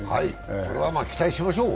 それは期待しましょう。